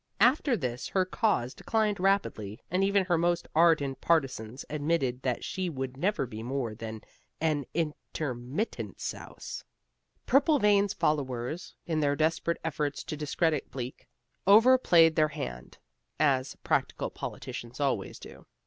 After this her cause declined rapidly, and even her most ardent partisans admitted that she would never be more than an Intermittent Souse. Purplevein's followers, in their desperate efforts to discredit Bleak, overplayed their hand (as "practical politicians" always do).